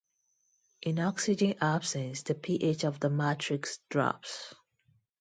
In oxygen absence, the pH of the matrix drops.